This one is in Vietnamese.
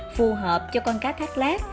phù hợp cho con cá thác lát